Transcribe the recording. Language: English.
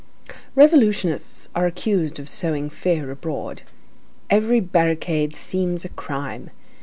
Revolutionists are accused of sowing fear abroad. Every barricade seems a crime.